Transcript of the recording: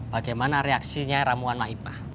bagaimana reaksinya ramuan maipah